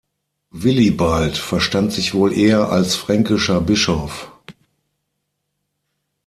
Willibald verstand sich wohl eher als fränkischer Bischof.